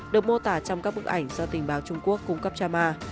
được mô tả trong các bức ảnh do tình báo trung quốc cung cấp cho ma